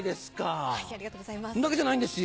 ありがとうございます。